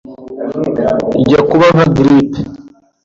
ijya kuba nka grippe